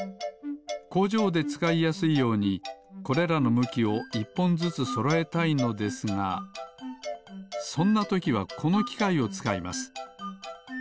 こうじょうでつかいやすいようにこれらのむきを１ぽんずつそろえたいのですがそんなときはこのきかいをつかいます。